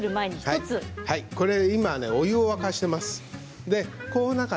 今、お湯を沸かしています。